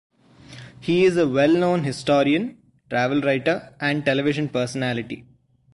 He is a well-known historian, travel writer and television personality.